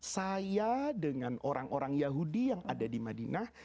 saya dengan orang orang yahudi yang ada di madinah